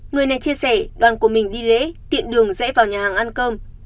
người này chia sẻ đoàn của mình đi lễ tiện đường rẽ vào nhà hàng ăn cơm